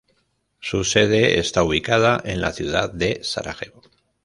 Su sede está ubicada en la ciudad de Sarajevo.